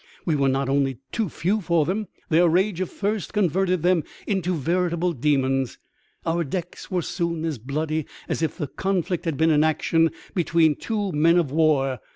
We were not only too few for them; their rage of thirst converted them into veritable demons. Our decks were soon as bloody as if the conflict had been an action between two men of war.